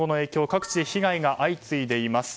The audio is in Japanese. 各地で被害が相次いでいます。